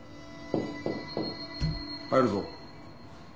入るぞ。